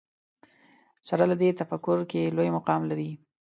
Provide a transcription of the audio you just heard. سره له دې تفکر کې لوی مقام لري